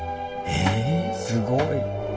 えすごい。